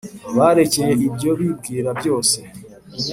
Bareke ibyo bibwira byose